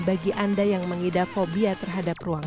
bagi anda yang mengidap fobia terhadap ruangan